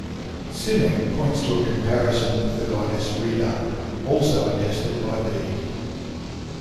Simek points to a comparison with the goddess Rheda, also attested by Bede.